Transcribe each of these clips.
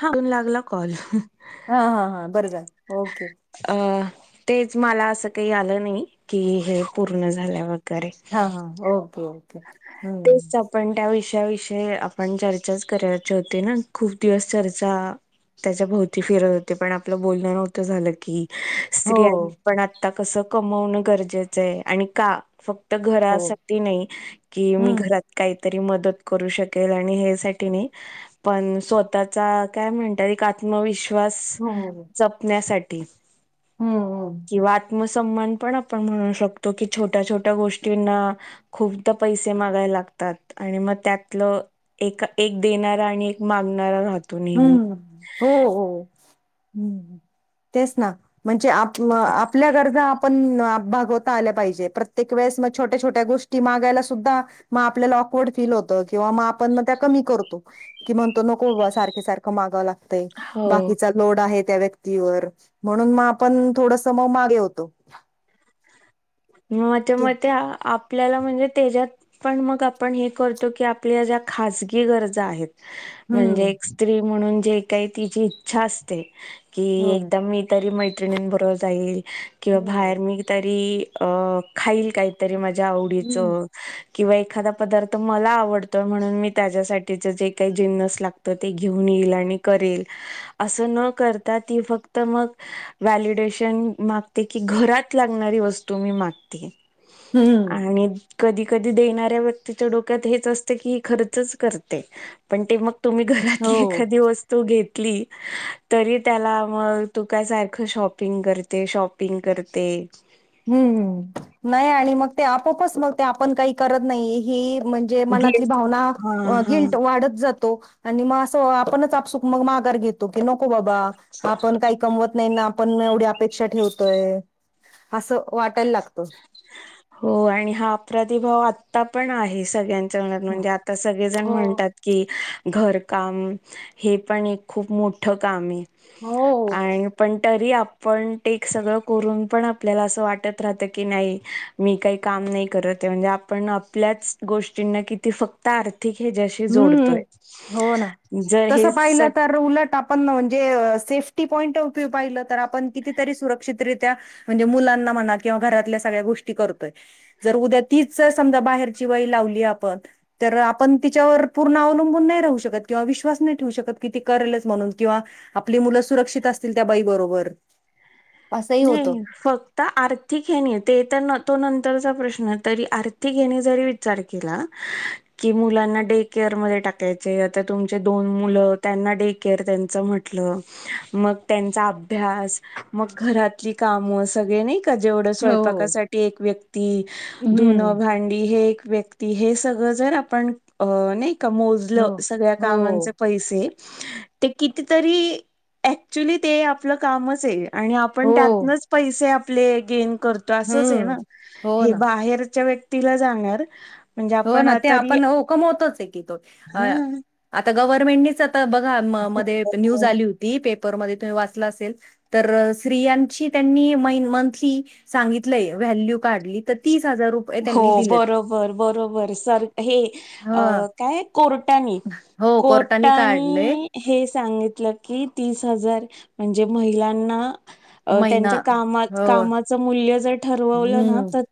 हा अन लागला कॉल हा हा हा बरं झालं ओके. हा तेच मला असं काही आलं नाही की हे पूर्ण झाल्यावर हा हा ओके ओके हम्म तेच आपण त्याविषयी च्या विषयी आपण चर्चाच करायचे होते ना खूप दिवस चर्चा त्याच्या भोवती फिरत होते पण आपलं बोलणं नव्हतं झालं की हो स्त्रियांनी पण आता कस कमवणं गरजेचं आहे आणि का फक्त तर हो घरासाठी नाही कि मी हम्म घरात काय त री मदत करू शकेल आणि या नाही पण स्वतः काय म्हणतात एक आत्म आत्मविश्वास जपण्यासाठी. हम्म हम्म. आत्मसम्मान पण आपण म्हणू शकतो की छोट्या छोट्या गोष्टींना खूप त पैसे मागाय लागतात आणि मग त्यातलं एक एक देणारा आणि एक मागणारा राहतो नेहमी हम्म हो हो हम्म. तेच ना म्हणजे आप आपल्या गरजा आपण भागवता आल्या पाहिजे प्रत्येक वेळेस छोटया छोटया गोष्टी मागयला सुद्धा म आपल्याला ऑकवर्ड फील होत किंवा आपण म त्या कमी करतो तो की म्हणतो नको बाबा सारखं सारखं मागावं लागतय हो बाकीचा लोड आहे त्या व्यक्तीवर म्हणून मग आपण थोड सम मागे होतो. माझ्या मते आप ल्याला म्हणजे त्याच्यात पण मग आपण हे करतो की आपल्या ज्या खाजगी गरजा आहेत. म्हणजे हम्म एक स्त्री म्हणून जे काही तिची इच्छा असते. कि हो एकदम मी तरी मैत्रिणींबरोबर जाईल किंवा बाहेर हो. मी तरी अ खाईल काहीतरी माझ्या हम्म आवडीचं. किंवा एखादा पदार्थ मला आवडतोय म्हणून मी त्याच्यासाठीच जे काही जिन्नस लागतो ते घेऊन येईल आणि करेल असं न करता ती फक्त मग वॅलिडेशन मागते की घरात लागणारी वस्तू मी मागते. हम्म. आणि कधी कधी देणाऱ्या व्यक्तीच्या डोक्यात हेच असते की ही खर्चच करते पण ते मग तुम्ही घरातली हो एखादी वस्तू घेत ली तरी त्याला मग तू काय सारखं शॉपिंग करते, शॉपंग करते. हम्म. नाही आणि मग ते आपोआपच मग ते आपण काही करत नाही हे म्हणजे मनातली गिल्ट भावना, हा हा. गिल्ट वाढत जा तो आणि मग असं आपणच आपसूक मंग माघार घेतो की नको बाबा आपण कायी कमवत नाही ना आपण एवढी अपेक्षा ठेवतोय. असं वाटायला लागतं. हो आणि हा अपराधी भाव आ ता पण आहे सगळ्यांच्या मनात म्हणजे आता सगळेजण हो म्हणतात की घरकाम हे पण एक खूप मोठं कामए हो आणि पण तरी आपण ते सगळं करून पण आपल्याला असं वा टत राहतं की नाही, मी काही काम नायी करत म्हणजे आपण आपल्याच गोष्टींना किती फक्त आर ह्म्म, हो ना. जर तस हे पाहिलं स तर उलट आपण म्हणजे सेफ्टी पॉईंट ऑफ व्ह्यू पाहिला तर आपण कितीतरी सुरक्षित रीत्या म्हणजे मुलांना म्हणा किंवा घरातल्या सगळ्या गोष्टी करतोय. जर उद्या तीच समजा बाहेरची बाई लावली आपण तर आपन तिच्यावर पूर्ण अवलंबून नाही राहू शकत किंवा विश्वास नाहीे ठेवू शकत की ती करेलच म्हणून किंवा आपली मुलं सुरक्षित असतील त्या बाई बरोबर. असंही होतं नाही फक्त आर्थिक हे नाही ते तर न तो नंतरचा प्रश्न, तरी आर्थिक ह्यानी जरी विचार केला की मुलांना डे केअ र मध्ये टाकायचंय आता तुमची दोन मुलं, त्यांना डे केअर त्यांचं म्हटलं मग त्यांचा अभ्यास, मग घरातली कामं सगळे नाही का जेवढं हो स्वयपाकासाठी एक व्यक्ती हम्म धुनं भांडी हे एक व्यक्ती हे सगळं जर आपण अ नाही का मोजलं, हो सगळ्या हो कामांचे पैसे ते कितीतरी ऍक्च्युली ते आपलं कामचए आणि आपण हो त्यातनंच पैसे आपले गेन करतो असंचए हम्म ना? हो हे ना बाहेरच्या व्यक्तीला जाणार. म्हणजे हो आपण ना ते तरी आपण हो कमवतोचए की तो, हां. आता गव्हर्नमेंटनीच आता बघा हो मध्ये न्यूज बरो- आली होती पे पर मध्ये तुम्ही वाचलं असेल, तर स्त्रियांची त्यांनी मैन मंथली सांगितलंय व्हॅल्यू काढली तर ती हो बरोबर बरोबर. हे हा काय कोर्टानी हो कोर्टाने काढले कोर्टानी हे सांगितलं की तीस हजार म्हणजे महिलांना महिना त्यांच्या कामा हो कामाचं मूल्य जर ठरवलं ना हम्म तर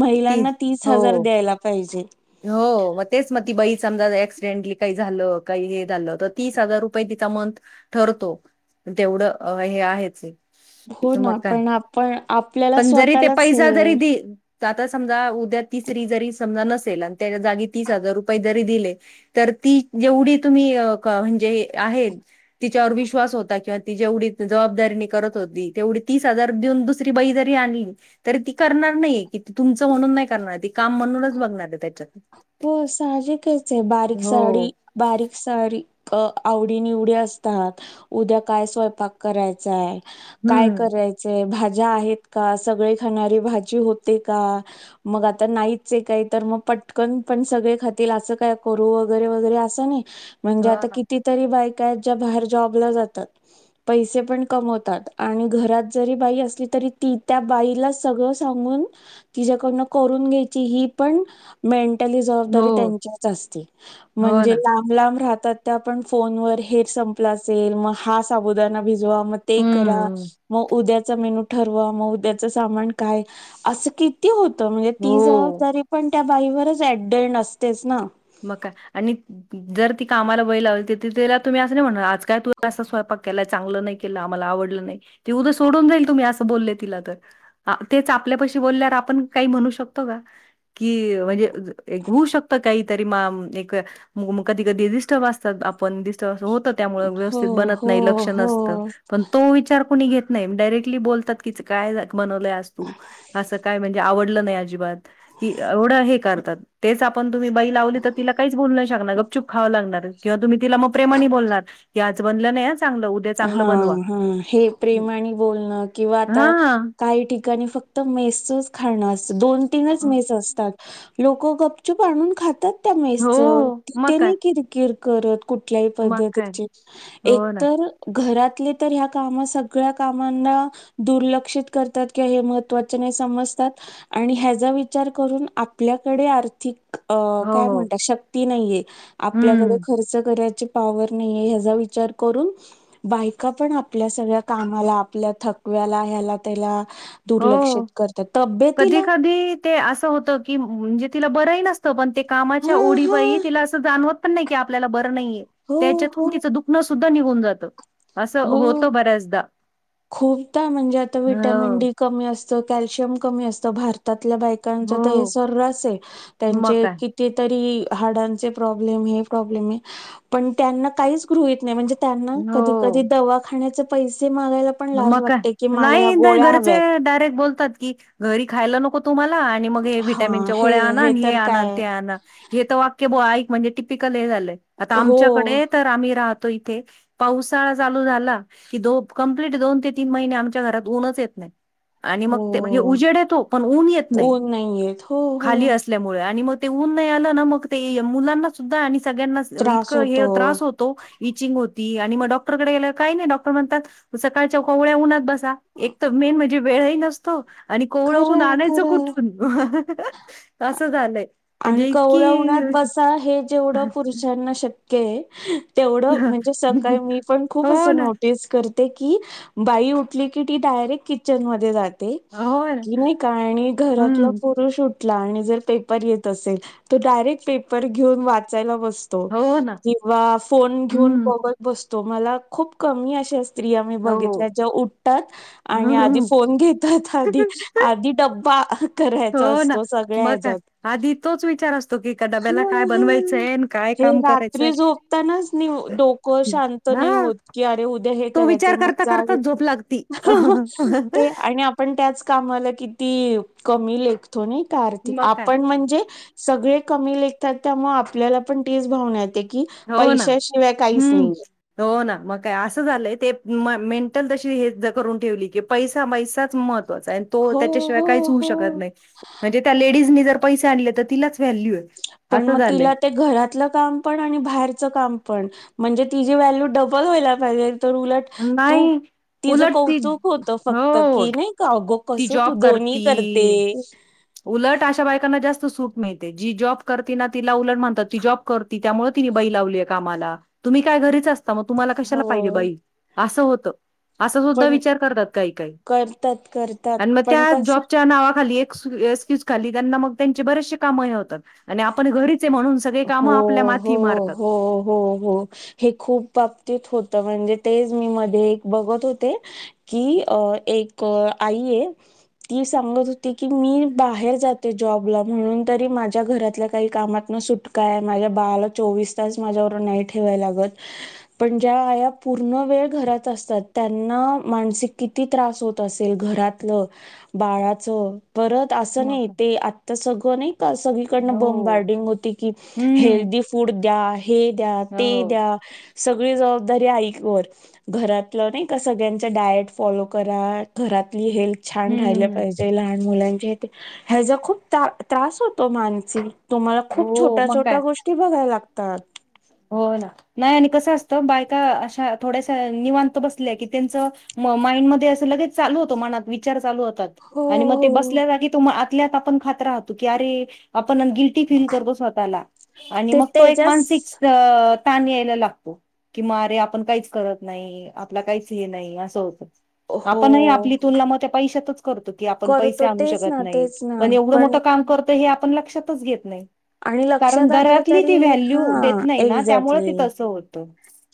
महिला ना तीस हजार द्यायला पाहिजे. हो तेच म ती बाई समजा ऍक्सिडेंटली काही झालं काही हे झालं तर तीस हजार रुपये तिचा मंथ ठरतो. तेवढं हे आहेचए. हो त मग ना काय पण आपण आपल्याला पण जरी ते स्वतःलाच पैसा हे जरी दि आता समजा उद्या तिसरी जरी समजा नस तेलन त्याज्या जागी तीस हजार रुपये जरी दिले तर ती जेवढी तुम्ही अ क म्हणजे आहे तिच्यावर विश्वास होता किंव्हा ती जेवढी जबाबदारीनं करत होती तेवढी तीस हजार देऊन दुसरी बाई जरी आणली तरी ती करणार नाय की ती तुमचं म्हणून नाही करणार, ती काम म्हणूनच बघणारय. हो सहाजेकचए बारीक हो साडी बारीकसारी अ आवडी-निवडी असतात, उद्या काय स्वयपाक करायचाय काय हम्म करायचंय भाज ज्या आहेत का, सगळे खाणारी भाजी होते का मग आता नाहीचे काही तर मग पट कन पण सगळे खातील असं काय करू वगैरे वगैरे असं नाय म्हणजे हो आता ना किती तरी बाइक काच्या बाहेर जॉबला जातात, पैसे पण कमवतात आणि घरात जरी बाई असली त री ती त्या बाईला सगळ सांगून तिच्याकडनं करून घ्यायची ही पण मेंटली हो जवाबदारी त्यांच्याच असते, हो म्हणजे ना लांब-लांब राह तर त्या आपण फोन वर हेर संपला असेल मग हा साबुदाना भिजू वा मग ते करा, हम्म म उद्या चा मेनू ठरवा मग उद्याचा सामान काय असं किती हो तो म्हणजे ती हो जबाबदारी पण त्या बाईवरच एट द एंड असतेच ना. मग काय आणि जर ती कामाला बाई लावली त त्याला तुम्ही असं नाही म्हणार आज काय तूला असं स्वयपा क केलाय चांगला नाय केला आम्हाला आवडलं नाय ती उदया सोडून जाईल तुम्ही असं बोलले तिला तर आ तेच आपल्यापशी बोल्यावर आपण का म्हणू शकतो का की म्हणजे अ ज एक घोऊ शकत काय इ तरी माम एक मोम कधी कधी डिस्टर्ब असतात आपण डिस्टर्बत असं हो त त्यामुळे हो व्यवस्थित बनत हो नाही लक्ष नसततं हो. पण तो विचार कोणी घेत नाही डायरेक्टली बोलतातच की काय बनवलंय आज तू असं काय म्हणजे आवडलं नाही अजिबात की एवढं हे करतात तेच आपण तुम्ही बाई लावली तर तिला काहीच बोलू शकणार गप चूप खावं लागणार किंवा तुम्ही तिला म प्रेमानी बोलणार की आज बनलं नाही हा. हा हा हे प्रेमाणि बोलणं किंवा आता हां. काही ठिक काणी फक्त मेसचच खाणं अस दोन तीनच मेस असतात लोकं गपचूप आणून खातात त्या हो मेस्च मग तिथे काय नी किरकिर करत कुठल्याही मग काय पद्धतीची हो ना. एकतर घरातले तर ह्या काम सगळ्या कामांना दुर्लक्षित करतात किंवा हे महत्त्वाचे नाही समजतात आणि ह्याजा विचार करून आपल्याकडे आर्थिक अ हो, काय हो. म्हणतात शक्ती नाहीये आपल्याकडे हम्म. खर्च कराची पावर नाहीे ह्याचा विचार करून बायका पण आपल्या सगळ्या कामाला आपल्या थकव्याला ह्याला त्याला दुर्लक्षित हो करतात तब्येतीला कधी-कधी ते असं होत की म्हणजे तिला बरं न सतं पण ते कामाचा हा उडी हा बाई तिला असं जाणवत पण नाय की आपल्याला ब रं हो त्याच्यातून हो तिचा दुखणं सुद्धा निघून जातं असं हो होतं बऱ्याचदा. खूपदा म्हणजे आता विटमिन हो, डी कमी अस तं कॅल्शियम कमी असतं भारतात तला बायकांचा तर हे हो. सर्रास आहे मग त्यांचे काय. किती तरी हाडांचे प्रॉब्लेम हे प्रब्लेम हे पण त्यांना काहीच गृहीत नाय म्हणजे त्यांना कधी हो. कधी दवाखानण्याचा पैसे मागायला पण मग लाज काय वाटते की मला या नाही नाही गोळ्या घरचे हव्यात डायरेक्ट बोलतात की घरी खायला नको तुम्हा ला आणि मग हे हा विटामिनचा हे गोळ्या आणा नी हे तर आणान काय ते आणा हे तर वाक्य बो आइ म्हणजे टिपिकल हे झालंय आता हो आमच्याकडे तर आम्ही राहतो इथे पावसाळा चालू झाला की दो कंप्लीट दोन ते तीन महिने आमच्या घरात ऊनच येत नाही. आणि मग ते म्हणजे हो उजेड येतो पण ऊन येत नाही ऊन नाहीयेत हो हो खाली असल्यामुळे आणि मग ते ऊन नाही आला ना मग ते मुलांना सुद्धा आणि सगळ्यांनास त्रास इतका होतो हे त्रास होतो इचिंग हो ती आणि मग डॉक्टरकडे गेलं काही नाही डॉक्टर म्हणतात सकाळच्या कोळ्या उन्हात ब सा एक तर मेन म्हणजे वेळ ही नसतो आणि कोवळ ऊन खरंय आणायचं खरंय कुठून असं झालंय आणि म्हणजे कवळ्या उन्हात इतकी बसा हे जेवढं पुरुषांना शक्य हाय तेवढं म्हणजे सकाळी मी पण खूप हो असं ना नोटीस कर की बाई उठली की ती डायरेक्ट किचन मध्ये जा हो ना की नाही का आणि घरातलं हम्म सुटला आणि जर पेपर येत असेल तर डायरेक्ट पेपर घेऊन वाचायला बस तो हो ना किंवा फोन घेऊन हम्म बघत बसतो. मला खूप कमी असे अस स्त्रिया मी हो बघितल्या ज्या उठतात आणि आधी फोन घेतात आधी, आधी डब्बा करायचा हो ना असतो सगळ्या मग काय हच्यात. आधी तोच विचार असतो की का डब्याला काय बनवायचंय आणि काय हे काम करायचंय रात्री झोपतानाच नि डोकं शांत नाही हा होत की अरे उद्या हे तो करायचंय विचार मग करता करता जावेत झोप लागती हा हा ते आणि आपण त्याच कामाला किती कमी लेखतो ना कार्थिक मग काय आपण म्हणजे सगळे कमी लेखतात त्यामुळे आपल्याला पण तीच भावना येते. की हो ना! पैशाशिवाय काहीच हम्म! नाही हो ना मग काय असं झालंय ते मा मेंटल तशी हे करून ठेवली की पैसा पैसाच मत महत्वाचा हाय आणि तो हो त्याच्याशिवाय हो काहीच होऊ हो शक नाही म्हणजे त्या लेडीजनी जर पैसे आणले तर तिलाच व्हॅल्यू हय पण मग तिला ते घरातलं काम पण आणि बाहेरच काम पण म्हणजे तीझी व्हॅल्यू डब्बल व्हायला पाहिजे तर उलट तू नाही तिच उलट ती कौतुक होतं फक्त हो की नही का ती कस तू जॉब दोन्ही करती करते उलट अशा बायकांना जास्त सूट मिळते. जी जॉब करते ना तिला उलट म्हणतात ती जॉब करती त्यामुळं ती बई लावलीय कामाला तुम्ही काय घरीच अस या मग तुम्हाला कशाला पाहिजे हो बाई? असं होतं. असं सुद्धा पण विचार करतात काही काही. करतात करतात आणि मग पण त्या कस जॉबच्या नावाखाली एक सु येव्यस्थित खाली त्यांना मग त्यांची बरेचशी काम हे होतात आणि आपण घरी हो-हो-हो-हो-हो हे खूप अगदी थो त म्हणजे तेच मी मध्ये एक बघत होते की एक आई ए तं ती सांगत होती की मी बाहेर जाते जॉबला म्हणून तरी माझ्या घरातल्या काही कामातनं सुट काय माझ्या बाळाला चोवीस तास माझ्याबरोबर नाही ठेवायला लागत, पण ज्या आया पूर्ण व्य त्या घरात असतात त्यांना माणसे किती त्रास होत असेल घरातलं, बाळा च परत असं मग नाही काय ते आता सगळं नाही क सगळीकडनं बॉम्ब हो बारडिंग होती कि हम्म हेल्दी फूड द्या. हे द्या. ते हो द्या. सगळी जबाब धरी आईक वर घरातलं नाही का? सगळ्याचे डायट फॉलो करा, घरातली हेल्थ छान राहिले हम्म पाहिजे, लहान मुलांचे ह्याचा खूप ताप- त्रास होतो मानसिक. तुम्हाला खूप हो मग छोट्या-छोट्या काय गोष्टी बघाय लागतात. हो ना. नाही आणि कसं असतं बायका अशा थोड्याशा निवांत बसल्या की त्यांच म माइंड मध्ये असं लगेच चालू होतो मनात विचार चालू होतं तात हो आणि मग ते हो बसल्या जागी तुम्हा आतल्या आत आपण खात राहतो की अरे आप पण गिल्टी फील करतो स्वतःला आणि ते मग तो एक त्याच्याच मानसिक अ ताण यायला लागतो. की म रे आपण काहीच करत नाही, आपला काहीच हे नाही असं होतं. हो आपणही आपली तुलना म त्या पैशातच करतो की आपण पैसे करतो आणू तेच शकत ना नाही, तेच ना पण एवढं मोठं काम करतो हे आपण लक्षातच घेत नाही. आणि कारण लक्षात आणलं घरातली ती तरी व्हॅल्यू हा देत नाही ना त्यामुळे ती एझॅक्ली तसं होतं.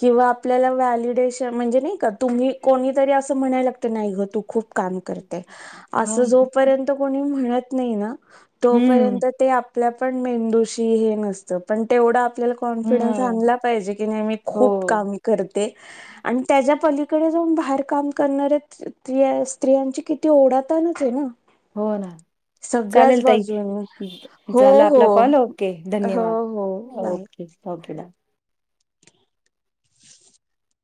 किंवा आपल्याला व्यालीडे म्हणजे नाही का तुम्ही कोणीतरी असं म्हणायला लागतं नाही गं तू खूप काम करते. हा असं जोपर्यंत कोणी म्हणत नाही ना हम्म तोपर्यंत ते आपल्या पण मेंदूशी हे नसतं पण तेवढं आपल्याला कॉन्फिडन्स हम्म आणला पाहिजे की नाही मी हो खूप काम कर ते आणि त्याज्या पलीकडे जाऊन बाहेर काम करणाऱ्या स्त्री स्त्रियांची किती ओढ [unintelligible] ना हो ना सगळ्याच चालेल ताई बाजून हो. झाला हो आपला कॉल ओके हो धन्यवाद हो बाय! Okay okay bye